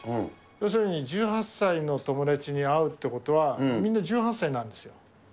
要するに１８歳の友達に会うってことは、みんな１８歳なんですよ。